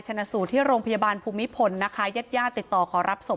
ชนะสู่ที่โรงพยาบาลภูมิภลนะคะย่าติดต่อขอรับศพ